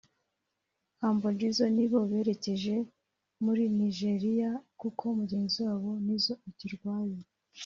Humble Jizzo nibo berekeje mu ri Nigeriya kuko mugenzi wabo Nizzo akirwaye